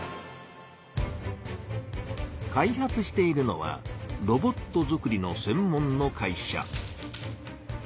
開発しているのはロボットづくりの専門の会社。